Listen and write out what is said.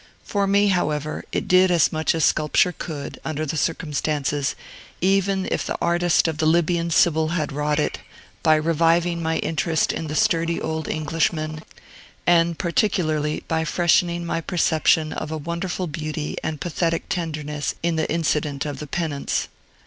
For me, however, it did as much as sculpture could, under the circumstances, even if the artist of the Libyan Sibyl had wrought it, by reviving my interest in the sturdy old Englishman, and particularly by freshening my perception of a wonderful beauty and pathetic tenderness in the incident of the penance.